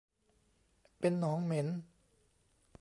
เป็นหนองเหม็น